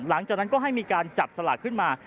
หลังจากนั้นก็ให้มีการจับสลากขึ้นมา